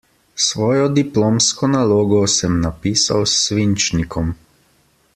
Svojo diplomsko nalogo sem napisal s svinčnikom.